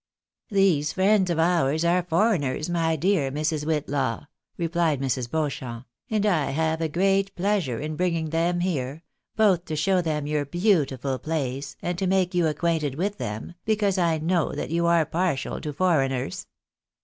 " These friends of ours are foreigners, my dear Mrs. "Whitlaw," rephed Mrs. Beauchamp, " and I have great pleasure in bringing them here, both to show them your beautiful place, and to make you acquainted with them, because I know that you are partial to foreigners."